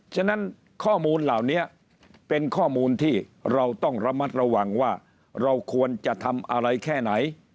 ฉะนั้นข้อมูลเหล่านี้เป็นข้อมูลที่เราต้องระมัดระวังว่าเราควรจะทำอะไรแค่ไหน